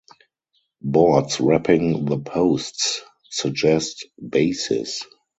Boards wrapping the posts suggest "bases".